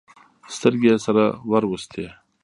سترګې يې سره ور وستې.